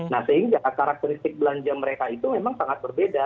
nah sehingga karakteristik belanja mereka itu memang sangat berbeda